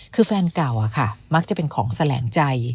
คือแฟนเก่าอะค่ะมักจะเป็นของแสลงใจ